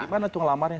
gimana tuh ngelamarnya